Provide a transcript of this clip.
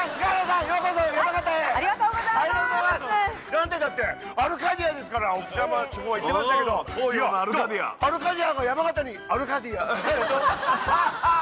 なんてったってアルカディアですから置賜地方は言ってましたけどアルカディアが山形にアルカディア。